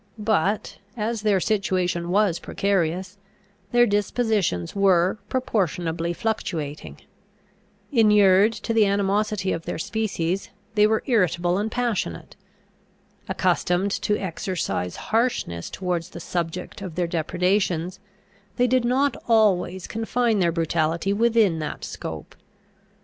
But, as their situation was precarious, their dispositions were proportionably fluctuating. Inured to the animosity of their species, they were irritable and passionate. Accustomed to exercise harshness towards the subject of their depredations, they did not always confine their brutality within that scope.